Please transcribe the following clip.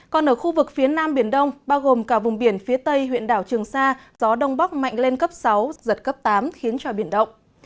còn ở khu vực phía nam biển đông bao gồm cả vùng biển phía tây huyện đảo trường sa gió đông bắc mạnh lên cấp sáu giật cấp tám khiến cho biển động